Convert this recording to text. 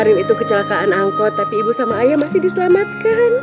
kemarin itu kecelakaan angkot tapi ibu sama ayah masih diselamatkan